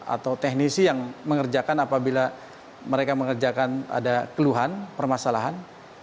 atau teknisi yang mengerjakan apabila mereka mengerjakan ada keluhan permasalahan